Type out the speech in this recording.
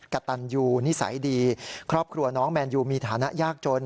กระตันยูนิสัยดีครอบครัวน้องแมนยูมีฐานะยากจน